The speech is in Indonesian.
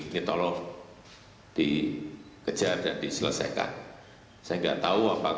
ini tolong dikejar dan diselesaikan